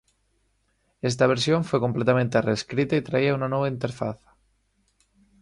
Esta versión fue completamente reescrita y traía una nueva interfaz.